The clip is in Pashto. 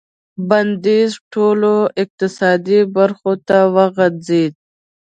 بندیز ټولو اقتصادي برخو ته وغځېد.